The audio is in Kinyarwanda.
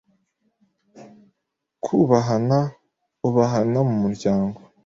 Kubahana u b a h a n a Mu muryango,